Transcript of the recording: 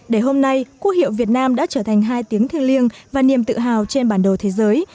để hôm nay quốc hiệu việt nam đã trở thành hai tiếng thiêng liêng và niềm tự hào trên bản đồ thế giới